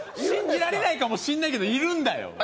信じられないかもしんないけどいるんだよ。